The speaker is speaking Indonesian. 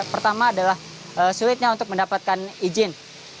pertama adalah sulitnya untuk mendapatkan izin